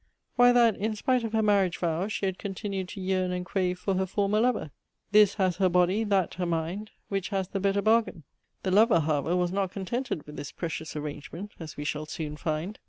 Why, that, in spite of her marriage vow, she had continued to yearn and crave for her former lover "This has her body, that her mind: Which has the better bargain?" The lover, however, was not contented with this precious arrangement, as we shall soon find.